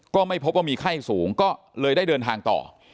ก็ไม่พบว่ามีไข้สูงก็เลยได้เดินทางต่อ